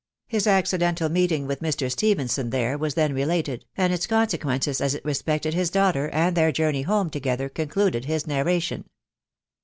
Erts ac cidental meeting with Mr. Stephenson there was then related, and its consequences as it respected his daughter, and their journey home together, concluded his narration.